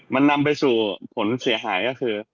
มันนำไปสู่ผลเสียหายก็คือ